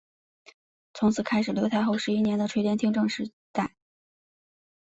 从此开始刘太后十一年的垂帘听政时代。